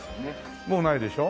もうないでしょ？